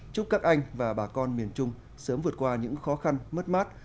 chúc các anh và bà con miền trung sớm vượt qua những khó khăn mất mát